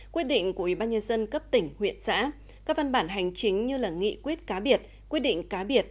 quyết định của ubnd cấp tỉnh huyện xã các văn bản hành chính như nghị quyết cá biệt quyết định cá biệt